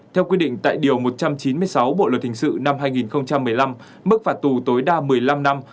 theo quy định tại điều một trăm chín mươi sáu bộ luật hình sự năm hai nghìn một mươi năm mức phạt tù tối đa một mươi năm năm